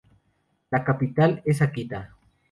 La capital es Akita.